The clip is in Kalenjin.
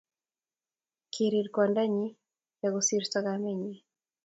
Kirir kwandanyin ya kosirto kamenyin